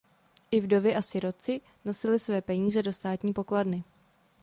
I vdovy a sirotci nosili své peníze do státní pokladny.